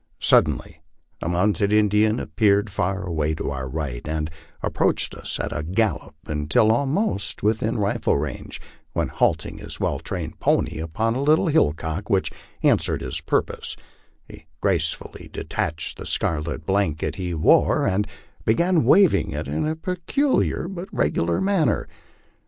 Suddenly a mounted Indian appeared far away to our right, and approached us at a gal lop until almost within rifle range, when halting his well trained pony upon a little hillock which answered his purpose, he gracefully detached the scar let blanket he wore, and began waving it in a peculiar but regular man ner.